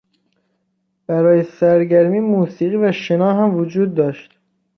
برای سرگرمی موسیقی و شنا هم وجود داشت.